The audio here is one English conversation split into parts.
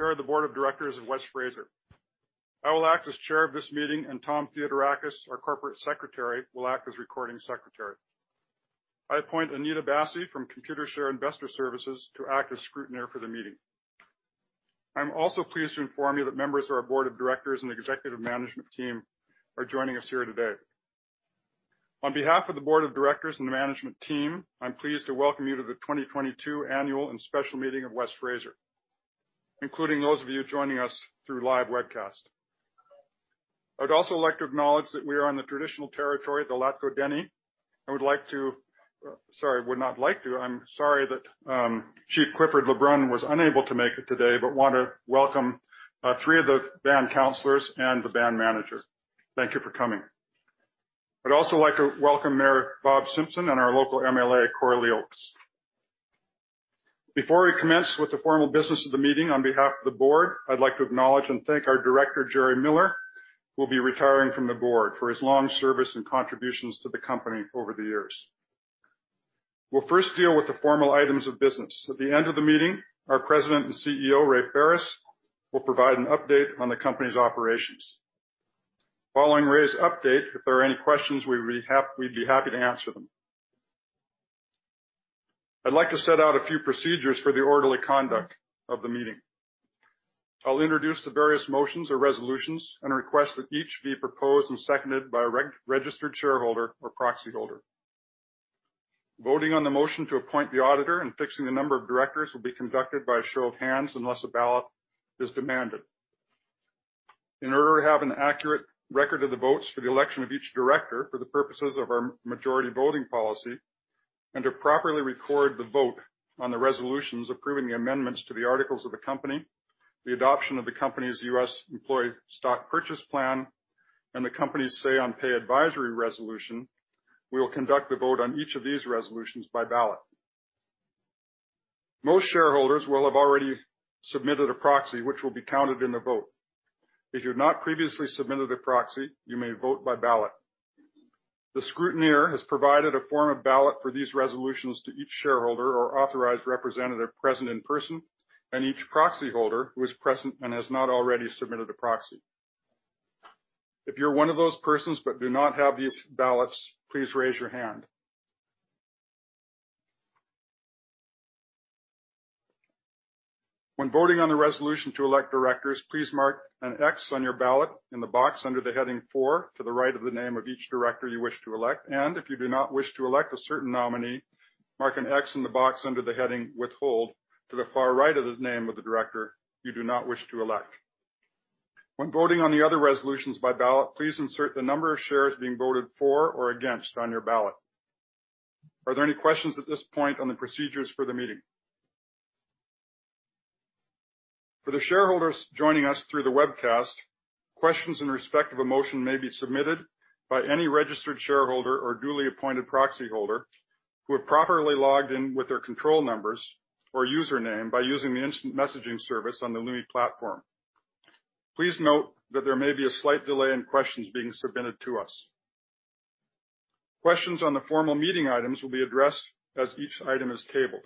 Chair of the Board of Directors of West Fraser. I will act as chair of this meeting, and Tom Theodorakis, our Corporate Secretary, will act as recording secretary. I appoint Anita Bassi from Computershare Investor Services to act as scrutineer for the meeting. I'm also pleased to inform you that members of our board of directors and executive management team are joining us here today. On behalf of the board of directors and the management team, I'm pleased to welcome you to the 2022 annual and special meeting of West Fraser, including those of you joining us through live webcast. I would also like to acknowledge that we are on the traditional territory of the Lheidli T'enneh. I'm sorry that Chief Clifford Lebrun was unable to make it today, but wanna welcome three of the band counselors and the band manager. Thank you for coming. I'd also like to welcome Mayor Bob Simpson and our local MLA, Coralee Oakes. Before we commence with the formal business of the meeting, on behalf of the board, I'd like to acknowledge and thank our director, Jerry Miller, who'll be retiring from the board, for his long service and contributions to the company over the years. We'll first deal with the formal items of business. At the end of the meeting, our President and CEO, Ray Ferris, will provide an update on the company's operations. Following Ray's update, if there are any questions, we'd be happy to answer them. I'd like to set out a few procedures for the orderly conduct of the meeting. I'll introduce the various motions or resolutions and request that each be proposed and seconded by a registered shareholder or proxyholder. Voting on the motion to appoint the auditor and fixing the number of directors will be conducted by a show of hands unless a ballot is demanded. In order to have an accurate record of the votes for the election of each director for the purposes of our majority voting policy, and to properly record the vote on the resolutions approving the amendments to the articles of the company, the adoption of the company's U.S. employee stock purchase plan, and the company's Say on Pay Advisory Resolution, we will conduct the vote on each of these resolutions by ballot. Most shareholders will have already submitted a proxy, which will be counted in the vote. If you've not previously submitted a proxy, you may vote by ballot. The scrutineer has provided a form of ballot for these resolutions to each shareholder or authorized representative present in person and each proxyholder who is present and has not already submitted a proxy. If you're one of those persons but do not have these ballots, please raise your hand. When voting on the resolution to elect directors, please mark an X on your ballot in the box under the heading "For" to the right of the name of each director you wish to elect. If you do not wish to elect a certain nominee, mark an X in the box under the heading "Withhold" to the far right of the name of the director you do not wish to elect. When voting on the other resolutions by ballot, please insert the number of shares being voted for or against on your ballot. Are there any questions at this point on the procedures for the meeting? For the shareholders joining us through the webcast, questions in respect of a motion may be submitted by any registered shareholder or duly appointed proxyholder who have properly logged in with their control numbers or username by using the instant messaging service on the Lumi platform. Please note that there may be a slight delay in questions being submitted to us. Questions on the formal meeting items will be addressed as each item is tabled.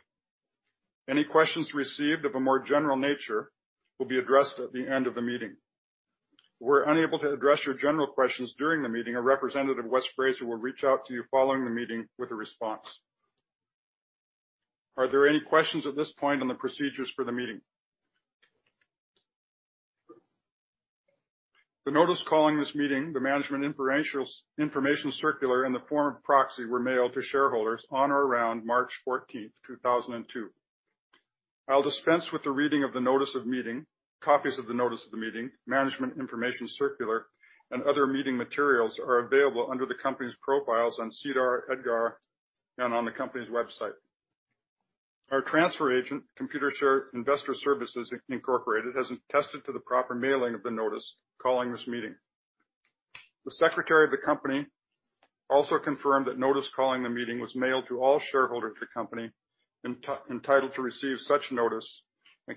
Any questions received of a more general nature will be addressed at the end of the meeting. If we're unable to address your general questions during the meeting, a representative of West Fraser will reach out to you following the meeting with a response. Are there any questions at this point on the procedures for the meeting? The notice calling this meeting, the management information circular, and the form of proxy were mailed to shareholders on or around March 14, 2002. I'll dispense with the reading of the notice of meeting. Copies of the notice of the meeting, management information circular, and other meeting materials are available under the company's profiles on SEDAR, EDGAR, and on the company's website. Our transfer agent, Computershare Investor Services Incorporated, has attested to the proper mailing of the notice calling this meeting. The secretary of the company also confirmed that notice calling the meeting was mailed to all shareholders of the company entitled to receive such notice, and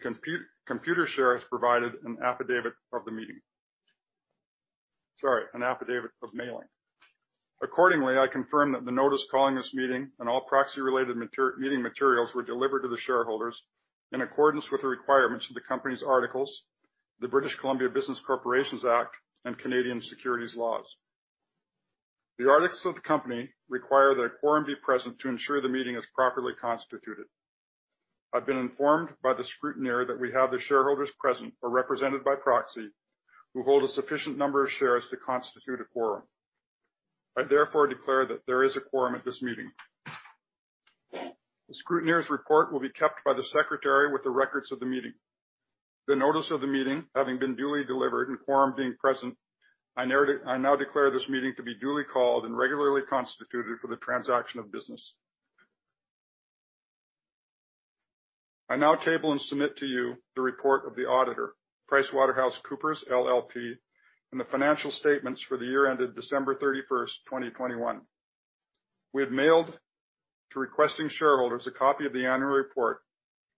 Computershare has provided an affidavit of mailing. Accordingly, I confirm that the notice calling this meeting and all proxy-related meeting materials were delivered to the shareholders in accordance with the requirements of the company's articles, the British Columbia Business Corporations Act, and Canadian securities laws. The articles of the company require that a quorum be present to ensure the meeting is properly constituted. I've been informed by the scrutineer that we have the shareholders present or represented by proxy who hold a sufficient number of shares to constitute a quorum. I therefore declare that there is a quorum at this meeting. The scrutineer's report will be kept by the secretary with the records of the meeting. The notice of the meeting, having been duly delivered and quorum being present, I now declare this meeting to be duly called and regularly constituted for the transaction of business. I now table and submit to you the report of the auditor, PricewaterhouseCoopers LLP, and the financial statements for the year ended December 31st, 2021. We have mailed to requesting shareholders a copy of the annual report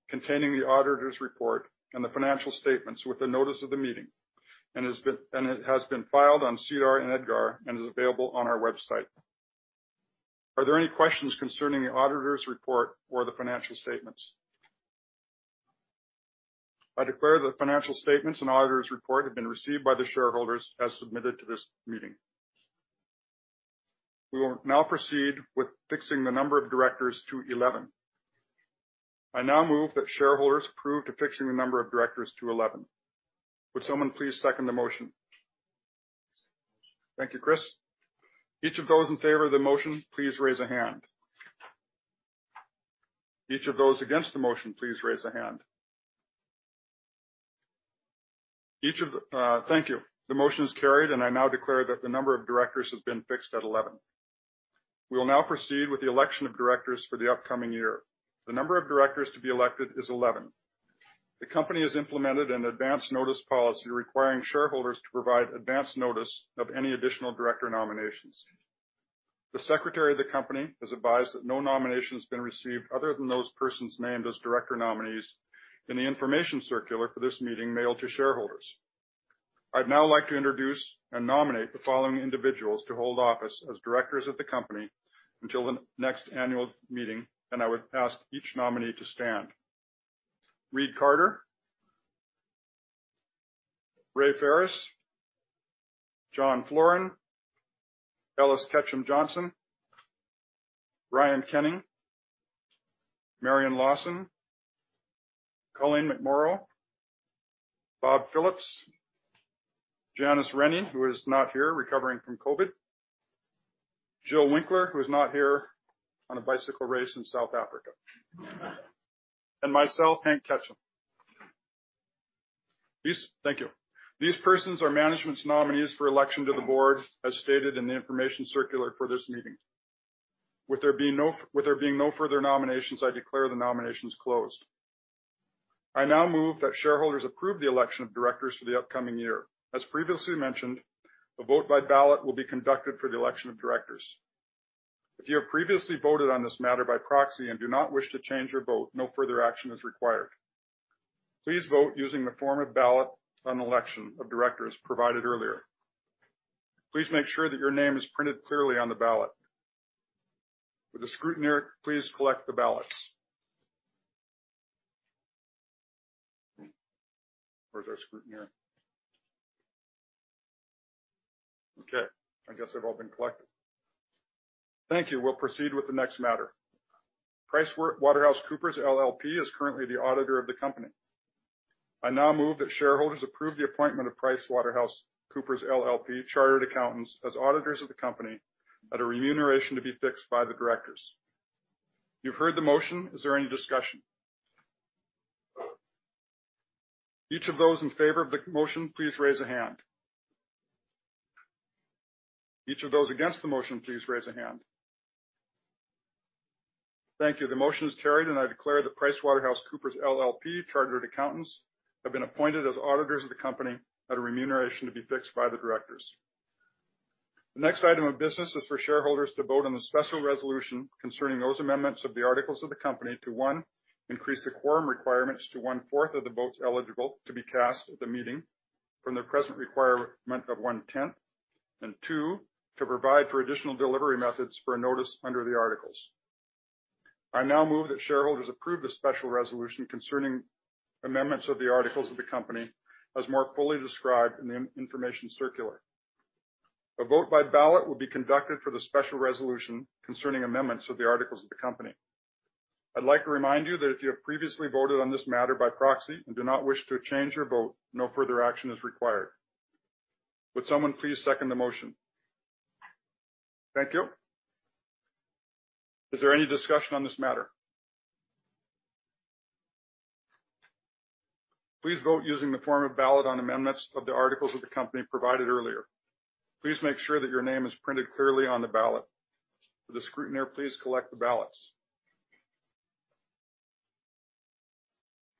containing the auditor's report and the financial statements with the notice of the meeting, and it has been filed on SEDAR and EDGAR and is available on our website. Are there any questions concerning the auditor's report or the financial statements? I declare the financial statements and auditor's report have been received by the shareholders as submitted to this meeting. We will now proceed with fixing the number of directors to 11. I now move that shareholders approve to fixing the number of directors to 11. Would someone please second the motion? Second the motion. Thank you, Chris. Each of those in favor of the motion, please raise a hand. Each of those against the motion, please raise a hand. Thank you. The motion is carried, and I now declare that the number of directors has been fixed at 11. We will now proceed with the election of directors for the upcoming year. The number of directors to be elected is 11. The company has implemented an advanced notice policy requiring shareholders to provide advanced notice of any additional director nominations. The secretary of the company has advised that no nomination has been received other than those persons named as director nominees in the information circular for this meeting mailed to shareholders. I'd now like to introduce and nominate the following individuals to hold office as directors of the company until the next annual meeting, and I would ask each nominee to stand. Reid Carter. Ray Ferris. John Floren. Ellis Ketcham Johnson. Brian Kenning. Marian Lawson. Colleen McMorrow. Bob Phillips. Janice Rennie, who is not here, recovering from COVID-19. Jill Winckler, who is not here, on a bicycle race in South Africa. And myself, Hank Ketcham. Thank you. These persons are management's nominees for election to the board, as stated in the information circular for this meeting. With there being no further nominations, I declare the nominations closed. I now move that shareholders approve the election of directors for the upcoming year. As previously mentioned, a vote by ballot will be conducted for the election of directors. If you have previously voted on this matter by proxy and do not wish to change your vote, no further action is required. Please vote using the form of ballot on election of directors provided earlier. Please make sure that your name is printed clearly on the ballot. Will the scrutineer please collect the ballots? Where's our scrutineer? Okay, I guess they've all been collected. Thank you. We'll proceed with the next matter. PricewaterhouseCoopers LLP is currently the auditor of the company. I now move that shareholders approve the appointment of PricewaterhouseCoopers LLP Chartered Accountants as auditors of the company at a remuneration to be fixed by the directors. You've heard the motion. Is there any discussion? Each of those in favor of the motion, please raise a hand. Each of those against the motion, please raise a hand. Thank you. The motion is carried, and I declare the PricewaterhouseCoopers LLP, Chartered Accountants, have been appointed as auditors of the company at a remuneration to be fixed by the directors. The next item of business is for shareholders to vote on the special resolution concerning those amendments of the articles of the company to, one, increase the quorum requirements to 1/4th of the votes eligible to be cast at the meeting from the present requirement of 1/10th. Two, to provide for additional delivery methods for a notice under the articles. I now move that shareholders approve the special resolution concerning amendments of the articles of the company, as more fully described in the information circular. A vote by ballot will be conducted for the special resolution concerning amendments of the articles of the company. I'd like to remind you that if you have previously voted on this matter by proxy and do not wish to change your vote, no further action is required. Would someone please second the motion? Thank you. Is there any discussion on this matter? Please vote using the form of ballot on amendments of the articles of the company provided earlier. Please make sure that your name is printed clearly on the ballot. Will the scrutineer please collect the ballots?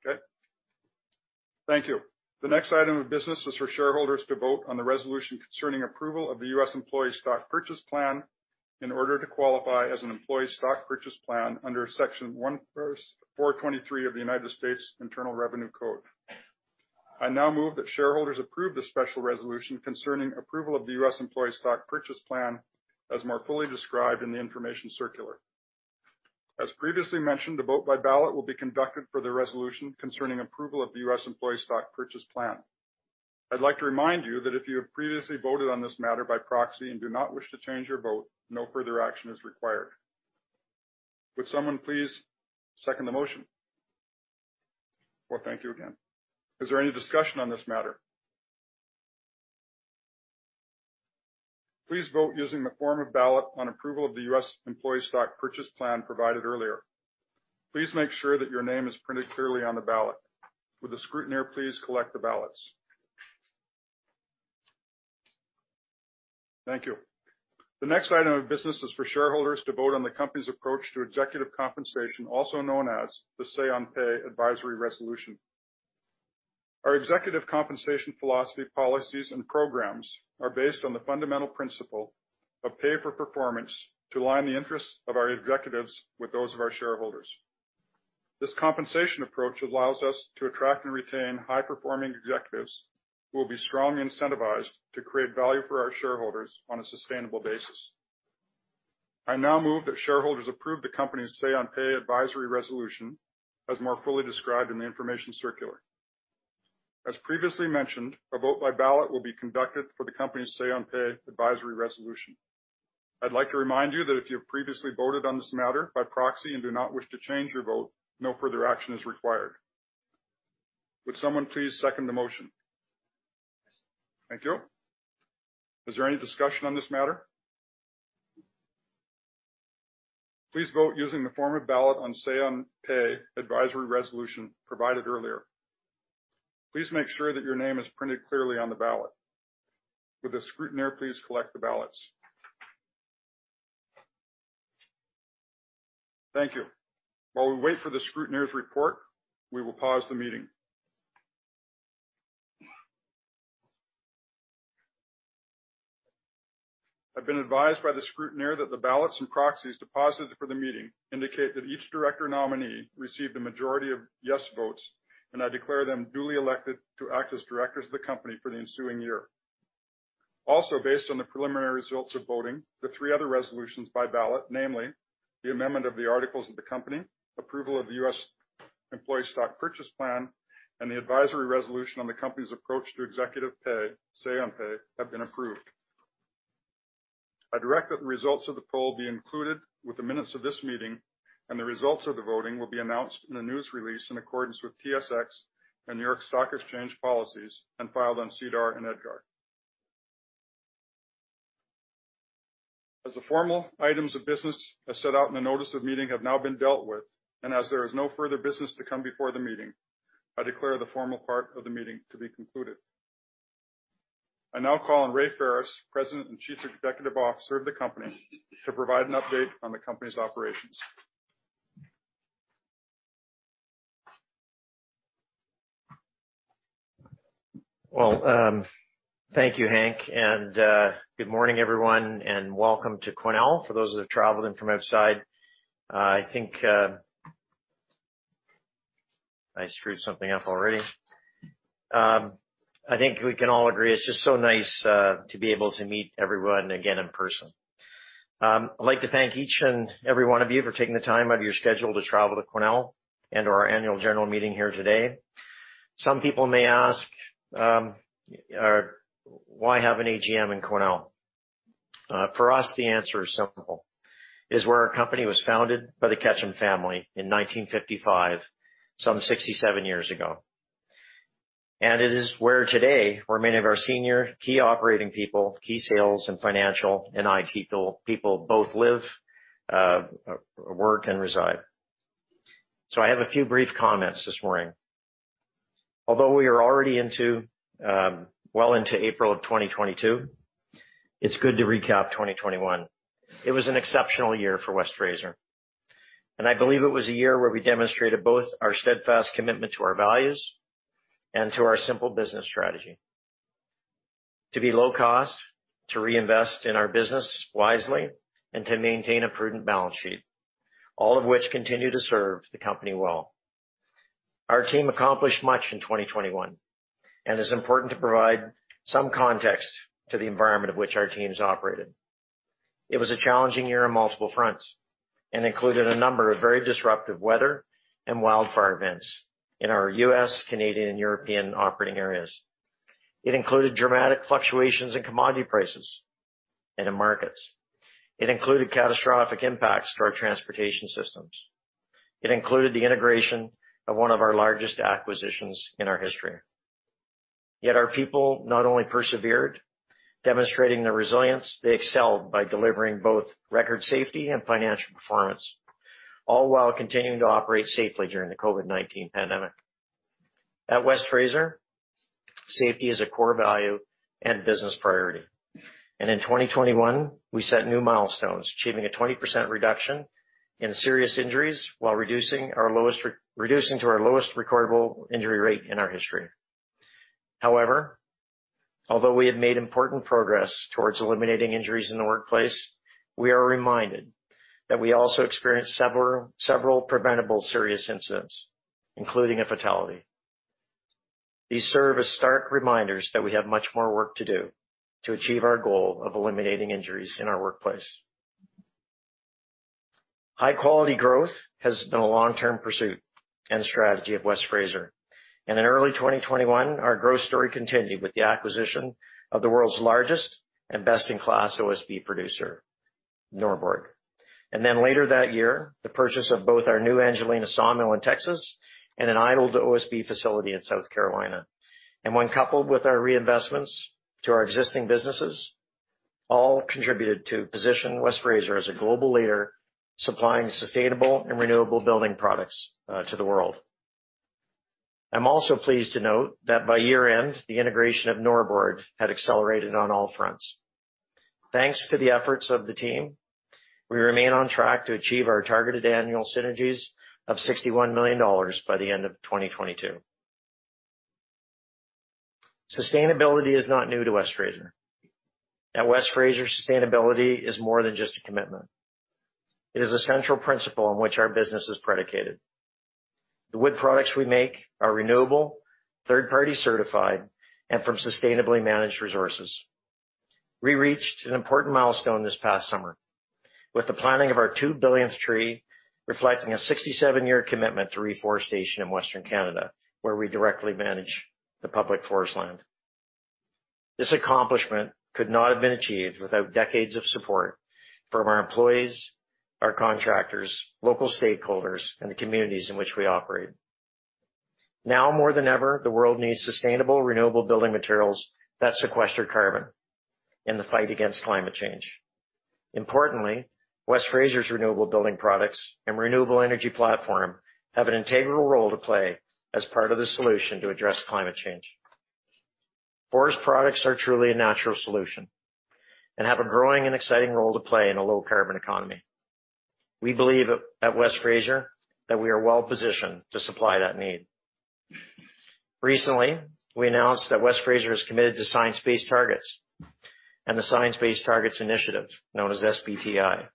Okay. Thank you. The next item of business is for shareholders to vote on the resolution concerning approval of the U.S. employee stock purchase plan in order to qualify as an employee stock purchase plan under Section 423 of the United States Internal Revenue Code. I now move that shareholders approve the special resolution concerning approval of the U.S. employee stock purchase plan, as more fully described in the information circular. As previously mentioned, a vote by ballot will be conducted for the resolution concerning approval of the U.S. employee stock purchase plan. I'd like to remind you that if you have previously voted on this matter by proxy and do not wish to change your vote, no further action is required. Would someone please second the motion? Well, thank you again. Is there any discussion on this matter? Please vote using the form of ballot on approval of the U.S. employee stock purchase plan provided earlier. Please make sure that your name is printed clearly on the ballot. Will the scrutineer please collect the ballots? Thank you. The next item of business is for shareholders to vote on the company's approach to executive compensation, also known as the Say on Pay Advisory Resolution. Our executive compensation philosophy, policies, and programs are based on the fundamental principle of pay for performance to align the interests of our executives with those of our shareholders. This compensation approach allows us to attract and retain high-performing executives who will be strongly incentivized to create value for our shareholders on a sustainable basis. I now move that shareholders approve the company's Say on Pay Advisory Resolution, as more fully described in the information circular. As previously mentioned, a vote by ballot will be conducted for the company's Say on Pay Advisory Resolution. I'd like to remind you that if you previously voted on this matter by proxy and do not wish to change your vote, no further action is required. Would someone please second the motion? Yes. Thank you. Is there any discussion on this matter? Please vote using the form of ballot on Say on Pay Advisory Resolution provided earlier. Please make sure that your name is printed clearly on the ballot. Will the scrutineer please collect the ballots? Thank you. While we wait for the scrutineer's report, we will pause the meeting. I've been advised by the scrutineer that the ballots and proxies deposited for the meeting indicate that each director nominee received a majority of yes votes, and I declare them duly elected to act as directors of the company for the ensuing year. Also, based on the preliminary results of voting, the three other resolutions by ballot, namely the amendment of the articles of the company, approval of the U.S. employee stock purchase plan, and the advisory resolution on the company's approach to executive pay, Say on Pay, have been approved. I direct that the results of the poll be included with the minutes of this meeting, and the results of the voting will be announced in a news release in accordance with TSX and New York Stock Exchange policies and filed on SEDAR and EDGAR. As the formal items of business as set out in the notice of meeting have now been dealt with, and as there is no further business to come before the meeting, I declare the formal part of the meeting to be concluded. I now call on Ray Ferris, President and Chief Executive Officer of the company, to provide an update on the company's operations. Well, thank you, Hank, and good morning, everyone, and welcome to Quesnel. For those that have traveled in from outside, I think I screwed something up already. I think we can all agree it's just so nice to be able to meet everyone again in person. I'd like to thank each and every one of you for taking the time out of your schedule to travel to Quesnel and to our annual general meeting here today. Some people may ask why have an AGM in Quesnel? For us, the answer is simple. It's where our company was founded by the Ketcham family in 1955, some 67 years ago. It is where today many of our senior key operating people, key sales and financial and IT people both live, work and reside. I have a few brief comments this morning. Although we are already well into April 2022, it's good to recap 2021. It was an exceptional year for West Fraser, and I believe it was a year where we demonstrated both our steadfast commitment to our values and to our simple business strategy. To be low cost, to reinvest in our business wisely and to maintain a prudent balance sheet, all of which continue to serve the company well. Our team accomplished much in 2021, and it's important to provide some context to the environment of which our teams operated. It was a challenging year on multiple fronts and included a number of very disruptive weather and wildfire events in our U.S., Canadian and European operating areas. It included dramatic fluctuations in commodity prices and in markets. It included catastrophic impacts to our transportation systems. It included the integration of one of our largest acquisitions in our history. Yet our people not only persevered, demonstrating their resilience, they excelled by delivering both record safety and financial performance, all while continuing to operate safely during the COVID-19 pandemic. At West Fraser, safety is a core value and business priority. In 2021, we set new milestones, achieving a 20% reduction in serious injuries while reducing to our lowest recordable injury rate in our history. However, although we have made important progress towards eliminating injuries in the workplace, we are reminded that we also experienced several preventable serious incidents, including a fatality. These serve as stark reminders that we have much more work to do to achieve our goal of eliminating injuries in our workplace. High quality growth has been a long-term pursuit and strategy of West Fraser. In early 2021, our growth story continued with the acquisition of the world's largest and best-in-class OSB producer, Norbord. Later that year, the purchase of both our new Angelina sawmill in Texas and an idled OSB facility in South Carolina. When coupled with our reinvestments to our existing businesses, all contributed to position West Fraser as a global leader, supplying sustainable and renewable building products to the world. I'm also pleased to note that by year-end, the integration of Norbord had accelerated on all fronts. Thanks to the efforts of the team, we remain on track to achieve our targeted annual synergies of $61 million by the end of 2022. Sustainability is not new to West Fraser. At West Fraser, sustainability is more than just a commitment. It is a central principle on which our business is predicated. The wood products we make are renewable, third-party certified, and from sustainably managed resources. We reached an important milestone this past summer with the planting of our Two-billionth tree, reflecting a 67-year commitment to reforestation in Western Canada, where we directly manage the public forest land. This accomplishment could not have been achieved without decades of support from our employees, our contractors, local stakeholders, and the communities in which we operate. Now more than ever, the world needs sustainable, renewable building materials that sequester carbon in the fight against climate change. Importantly, West Fraser's renewable building products and renewable energy platform have an integral role to play as part of the solution to address climate change. Forest products are truly a natural solution and have a growing and exciting role to play in a low-carbon economy. We believe at West Fraser that we are well-positioned to supply that need. Recently, we announced that West Fraser is committed to Science Based Targets and the Science Based Targets initiative, known as SBTi.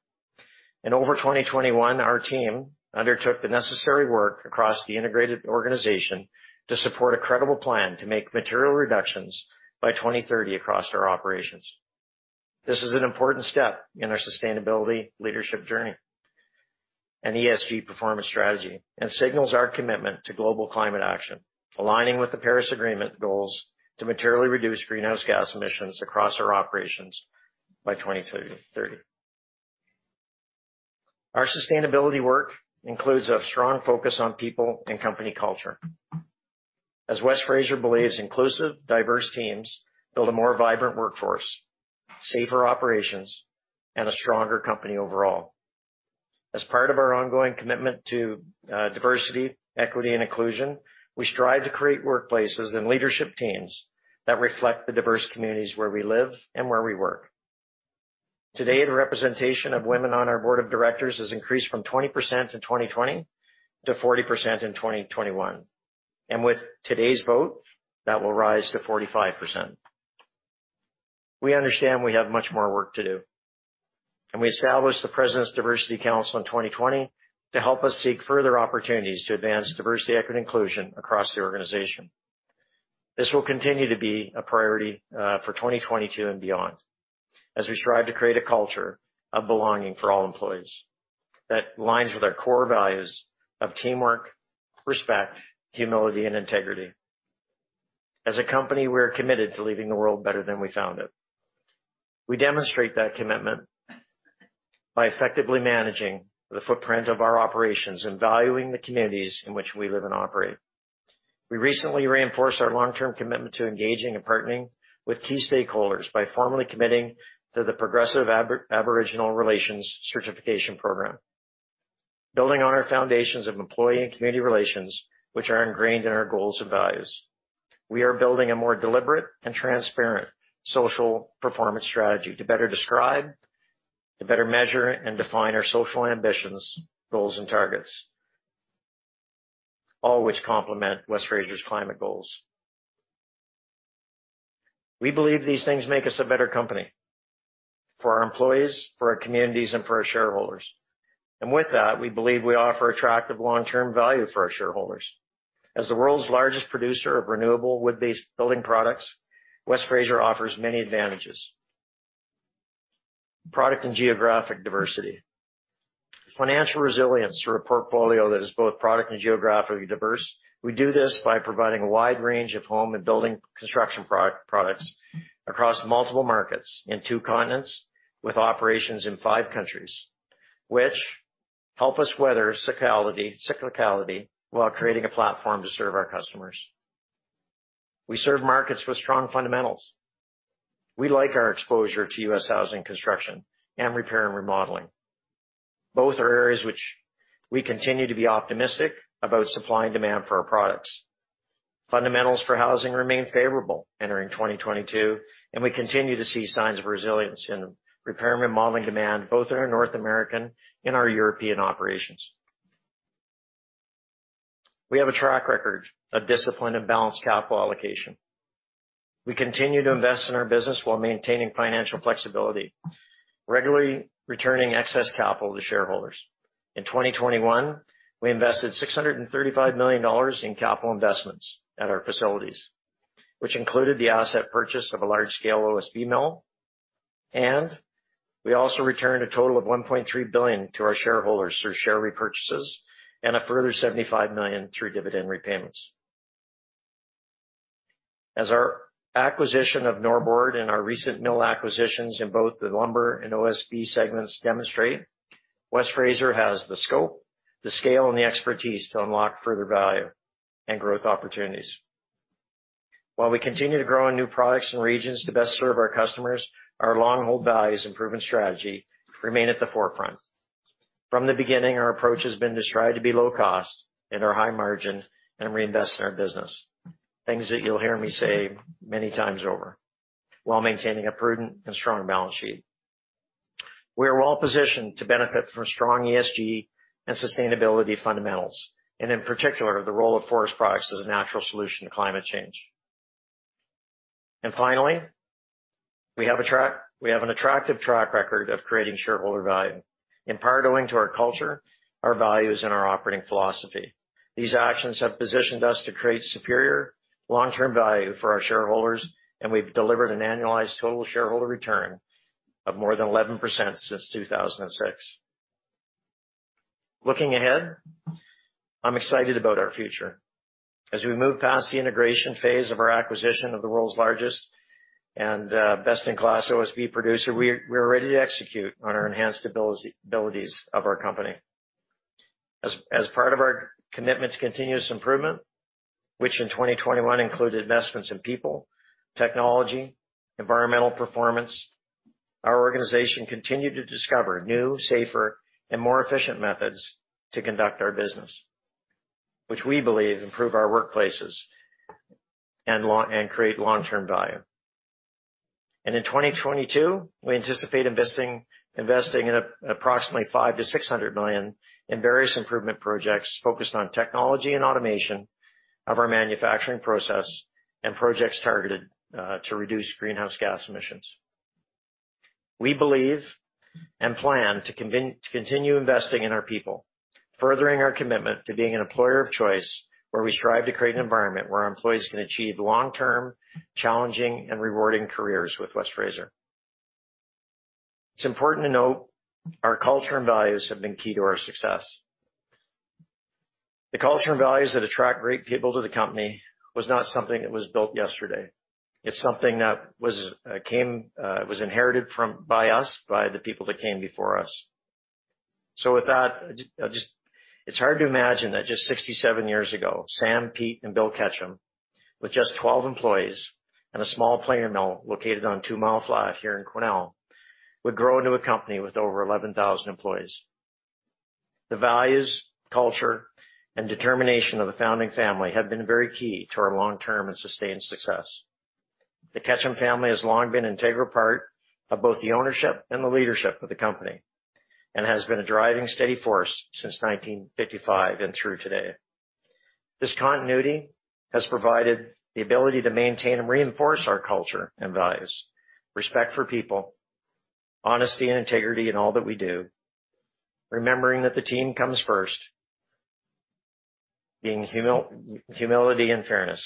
In 2021, our team undertook the necessary work across the integrated organization to support a credible plan to make material reductions by 2030 across our operations. This is an important step in our sustainability leadership journey and ESG performance strategy, and signals our commitment to global climate action, aligning with the Paris Agreement goals to materially reduce greenhouse gas emissions across our operations by 2030. Our sustainability work includes a strong focus on people and company culture, as West Fraser believes inclusive, diverse teams build a more vibrant workforce, safer operations, and a stronger company overall. As part of our ongoing commitment to diversity, equity, and inclusion, we strive to create workplaces and leadership teams that reflect the diverse communities where we live and where we work. Today, the representation of women on our board of directors has increased from 20% in 2020 to 40% in 2021. With today's vote, that will rise to 45%. We understand we have much more work to do, and we established the President's Diversity Council in 2020 to help us seek further opportunities to advance diversity, equity, and inclusion across the organization. This will continue to be a priority for 2022 and beyond as we strive to create a culture of belonging for all employees that aligns with our core values of teamwork, respect, humility, and integrity. As a company, we're committed to leaving the world better than we found it. We demonstrate that commitment by effectively managing the footprint of our operations and valuing the communities in which we live and operate. We recently reinforced our long-term commitment to engaging and partnering with key stakeholders by formally committing to the Progressive Aboriginal Relations Certification Program. Building on our foundations of employee and community relations, which are ingrained in our goals and values, we are building a more deliberate and transparent social performance strategy to better describe, to better measure and define our social ambitions, goals, and targets, all which complement West Fraser's climate goals. We believe these things make us a better company for our employees, for our communities, and for our shareholders. With that, we believe we offer attractive long-term value for our shareholders. As the world's largest producer of renewable wood-based building products, West Fraser offers many advantages. Product and geographic diversity. Financial resilience through a portfolio that is both product and geographically diverse. We do this by providing a wide range of home and building construction products across multiple markets in two continents with operations in five countries, which help us weather cyclicality while creating a platform to serve our customers. We serve markets with strong fundamentals. We like our exposure to U.S. housing construction and repair and remodeling. Both are areas which we continue to be optimistic about supply and demand for our products. Fundamentals for housing remain favorable entering 2022, and we continue to see signs of resilience in repair and remodeling demand, both in our North American and our European operations. We have a track record of disciplined and balanced capital allocation. We continue to invest in our business while maintaining financial flexibility, regularly returning excess capital to shareholders. In 2021, we invested $635 million in capital investments at our facilities, which included the asset purchase of a large-scale OSB mill, and we also returned a total of $1.3 billion to our shareholders through share repurchases and a further $75 million through dividend repayments. As our acquisition of Norbord and our recent mill acquisitions in both the lumber and OSB segments demonstrate, West Fraser has the scope, the scale, and the expertise to unlock further value and growth opportunities. While we continue to grow in new products and regions to best serve our customers, our long-held values and proven strategy remain at the forefront. From the beginning, our approach has been to strive to be low cost and/or high margin and reinvest in our business. Things that you'll hear me say many times over while maintaining a prudent and strong balance sheet. We are well positioned to benefit from strong ESG and sustainability fundamentals, and in particular, the role of forest products as a natural solution to climate change. Finally, we have an attractive track record of creating shareholder value, in part owing to our culture, our values, and our operating philosophy. These actions have positioned us to create superior long-term value for our shareholders, and we've delivered an annualized total shareholder return of more than 11% since 2006. Looking ahead, I'm excited about our future. As we move past the integration phase of our acquisition of the world's largest and best-in-class OSB producer, we're ready to execute on our enhanced abilities of our company. As part of our commitment to continuous improvement, which in 2021 included investments in people, technology, environmental performance, our organization continued to discover new, safer, and more efficient methods to conduct our business, which we believe improve our workplaces and create long-term value. In 2022, we anticipate investing approximately $500 million-$600 million in various improvement projects focused on technology and automation of our manufacturing process and projects targeted to reduce greenhouse gas emissions. We believe and plan to continue investing in our people, furthering our commitment to being an employer of choice, where we strive to create an environment where our employees can achieve long-term, challenging, and rewarding careers with West Fraser. It's important to note our culture and values have been key to our success. The culture and values that attract great people to the company was not something that was built yesterday. It's something that was inherited from by us, by the people that came before us. With that, it's hard to imagine that just 67 years ago, Sam, Pete, and Bill Ketcham, with just 12 employees and a small planer mill located on Two Mile Flat here in Quesnel, would grow into a company with over 11,000 employees. The values, culture, and determination of the founding family have been very key to our long-term and sustained success. The Ketcham family has long been an integral part of both the ownership and the leadership of the company, and has been a driving, steady force since 1955 and through today. This continuity has provided the ability to maintain and reinforce our culture and values, respect for people, honesty and integrity in all that we do, remembering that the team comes first, being humility and fairness.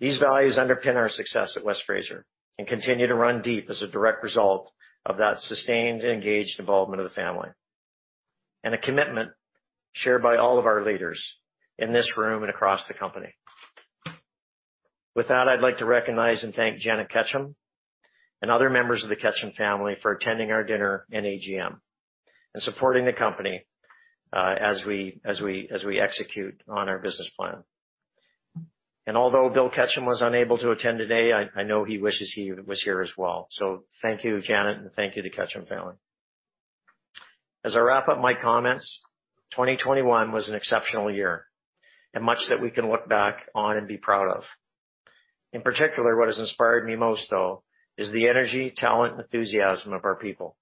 These values underpin our success at West Fraser and continue to run deep as a direct result of that sustained and engaged involvement of the family, and a commitment shared by all of our leaders in this room and across the company. With that, I'd like to recognize and thank Janet Ketcham and other members of the Ketcham family for attending our dinner and AGM and supporting the company as we execute on our business plan. Although Bill Ketcham was unable to attend today, I know he wishes he was here as well. Thank you, Janet, and thank you to the Ketcham family. As I wrap up my comments, 2021 was an exceptional year and much that we can look back on and be proud of. In particular, what has inspired me most, though, is the energy, talent, and enthusiasm of our people,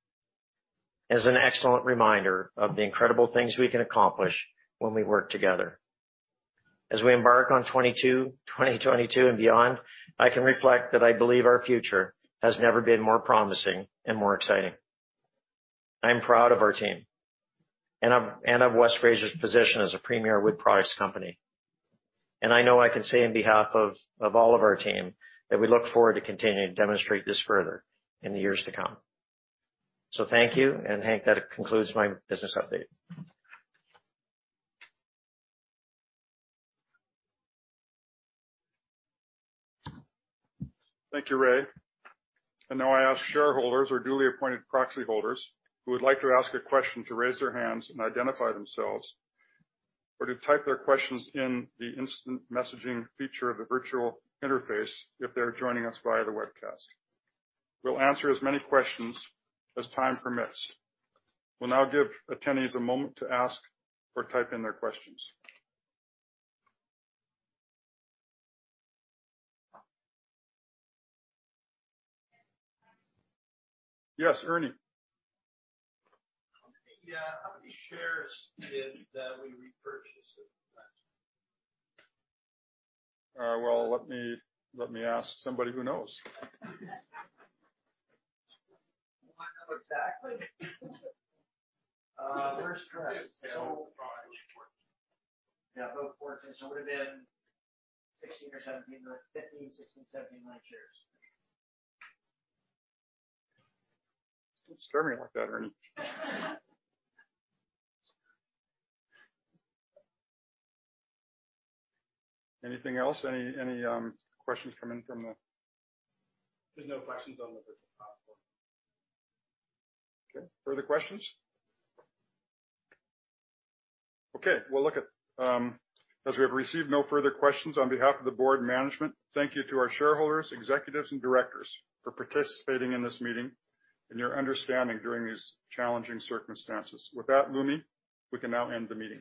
as an excellent reminder of the incredible things we can accomplish when we work together. As we embark on 2022 and beyond, I can reflect that I believe our future has never been more promising and more exciting. I'm proud of our team and of West Fraser's position as a premier wood products company. I know I can say on behalf of all of our team that we look forward to continuing to demonstrate this further in the years to come. Thank you. Hank, that concludes my business update. Thank you, Ray. Now I ask shareholders or duly appointed proxy holders who would like to ask a question to raise their hands and identify themselves, or to type their questions in the instant messaging feature of the virtual interface if they're joining us via the webcast. We'll answer as many questions as time permits. We'll now give attendees a moment to ask or type in their questions. Yes, Ernie. Yeah. How many shares did we repurchase? Well, let me ask somebody who knows. You wanna know exactly? We're stressed. Yeah, about 14. It would have been 16 or 17. 50, 16, 17, 9 shares. Stop scaring me like that, Ernie. Anything else? Any questions come in. There's no questions on the virtual platform. Okay. Further questions? Okay. Well, as we have received no further questions, on behalf of the board and management, thank you to our shareholders, executives, and directors for participating in this meeting and your understanding during these challenging circumstances. With that, Lumi, we can now end the meeting.